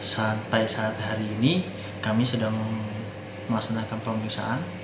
sampai saat hari ini kami sedang melaksanakan pemeriksaan